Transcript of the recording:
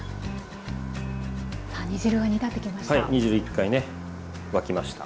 さあ煮汁が煮立ってきました。